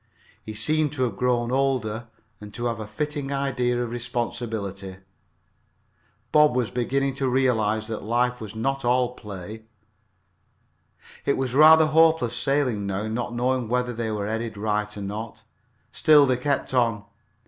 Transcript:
He seemed to have grown older and to have a fitting idea of responsibility. Bob was beginning to realize that life was not all play. It was rather hopeless sailing now, not knowing whether they were headed right or not. Still they kept on.